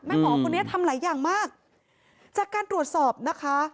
หมอคนนี้ทำหลายอย่างมากจากการตรวจสอบนะคะ